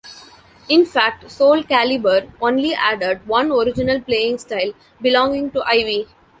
In fact, "Soulcalibur" only added one original playing style, belonging to Ivy.